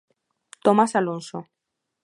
Tomás Alonso.